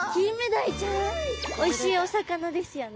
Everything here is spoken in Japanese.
おいしいお魚ですよね。